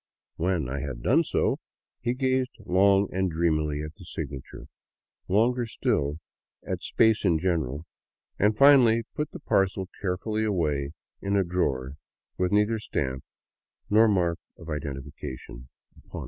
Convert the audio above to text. When I had done so, he gazed long and dreamily at the signature, longer still at space in general, and finally put the parcel carefully away in a drawer with neither stamp nor mark of identification upon it.